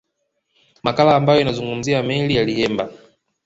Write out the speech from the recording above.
Makala ambayo inazungumzia meli ya Liemba